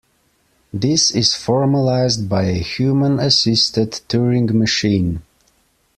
This is formalised by a human-assisted Turing machine.